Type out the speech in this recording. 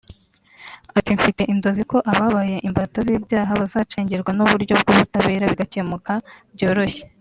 Ati “Mfite inzozi ko ababaye imbata z’ ibyaha bazacengerwa n’ uburyo bw’ ubutabera bigakemuka byoroshye